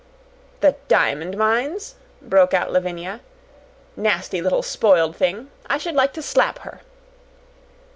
"The diamond mines?" broke out Lavinia. "Nasty, little spoiled thing, I should like to SLAP her!"